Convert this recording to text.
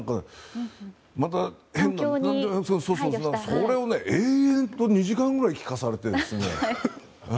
それを延々と２時間ぐらい聞かされて。